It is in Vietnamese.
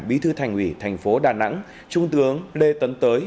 bí thư thành ủy thành phố đà nẵng trung tướng lê tấn tới